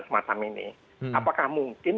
semacam ini apakah mungkin